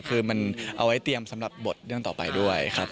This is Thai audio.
คือมันเอาไว้เตรียมสำหรับบทเรื่องต่อไปด้วยครับ